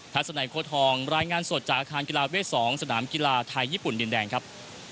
สนัยโค้ทองรายงานสดจากอาคารกีฬาเวท๒สนามกีฬาไทยญี่ปุ่นดินแดงครับ